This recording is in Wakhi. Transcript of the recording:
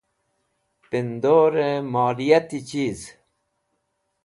Pendorẽ moliyati chiz.